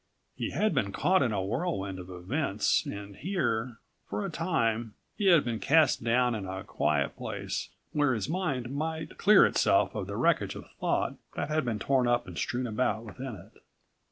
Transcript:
He had been caught in a whirlwind of events and here, for a time, he had been cast down in a quiet place where his mind might clear itself of the wreckage of thought that had been torn up and strewn about within it.